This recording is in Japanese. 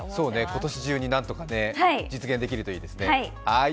今年中に何とか実現できるといいですね。